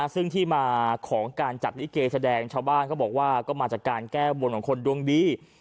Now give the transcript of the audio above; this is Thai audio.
ซึ่งที่มาของการจัดลิเกแสดงชาวบ้านก็บอกว่าก็มาจากการแก้บนของคนดวงดี